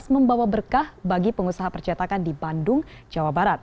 membawa berkah bagi pengusaha percetakan di bandung jawa barat